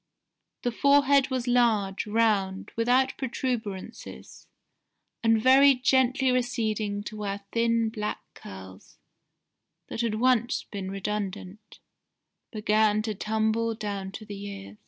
The forehead was large, round, without protuberances, and very gently receding to where thin black curls, that had once been redundant, began to tumble down to the ears.